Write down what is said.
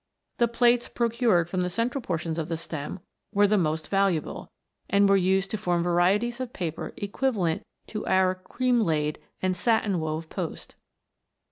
The plates procured from the central portions of the stem were the most valuable, and were used to form varieties of paper equivalent to our " cream 236 WONDERFUL PLANTS. laid" and " satin wove" post.